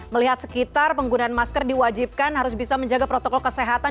melihat sekitar penggunaan masker diwajibkan harus bisa menjaga protokol kesehatan